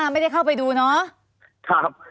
ไม่ได้เข้าไปดูเนาะ